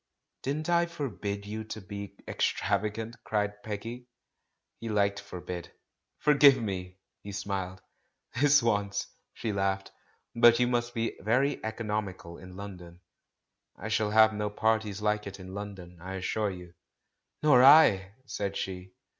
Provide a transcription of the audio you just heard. "Didn't I forbid you to be extravagant?'* cried Peggy. He liked "forbid." "Forgive me I" he smiled. "This once," she laughed. "But you must be very economical in London." "I shall have no parties like it in London, I assure you." "Nor I !" said she.